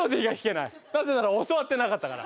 なぜなら教わってなかったから。